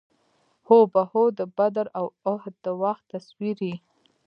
هو بهو د بدر او اُحد د وخت تصویر یې.